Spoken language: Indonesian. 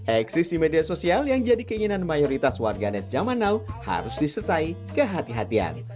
eksis di media sosial yang jadi keinginan mayoritas warganet zaman now harus disertai kehatian